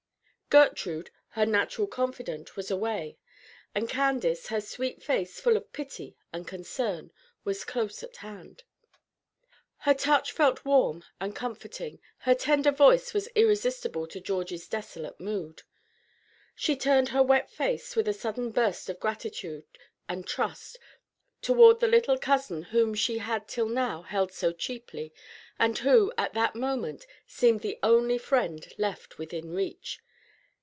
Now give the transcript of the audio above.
Gertrude, her natural confidante, was away; and Candace, her sweet face full of pity and concern, was close at hand. Her touch felt warm and comforting; her tender voice was irresistible to Georgie's desolate mood. She turned her wet face with a sudden burst of gratitude and trust toward the little cousin whom she had till now held so cheaply, and who, at that moment, seemed the only friend left within reach.